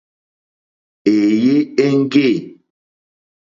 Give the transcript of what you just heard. Èèyé éŋɡê.